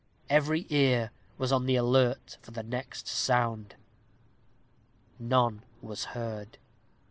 Every ear was on the alert for the next sound; none was heard.